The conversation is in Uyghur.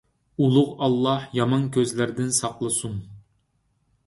ئۇلۇغ ئاللاھ يامان كۆزلەردىن ساقلىسۇن!